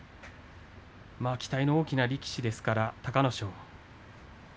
期待の大きな力士ですから隆の勝。